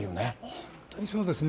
本当にそうですね。